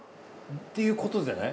っていうことじゃない？